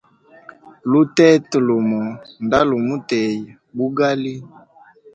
Lutete lumo nda lumutea bugali.